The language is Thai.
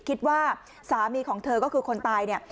คิดว่าสามีของเธอก็คือคนตายเนี่ย